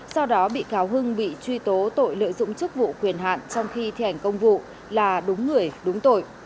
sau đó bị cáo hưng bị truy tố tội lợi dụng chức vụ quyền hạn trong khi thi hành công vụ là đúng người đúng tội